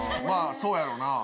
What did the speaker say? まあ、そうやろな。